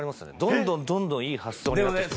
どんどんどんどんいい発想になってきてる。